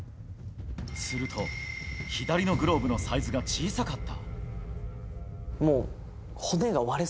すると、左のグローブのサイズが小さかった。